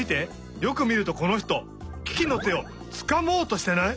よくみるとこの人キキのてをつかもうとしてない？